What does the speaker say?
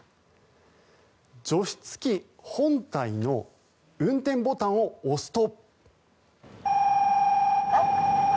除湿機本体の運転ボタンを押すと。